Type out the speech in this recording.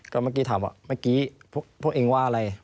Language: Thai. ก็เมื่อกี้ถามว่าเมื่อกี้พวกเองว่าอะไร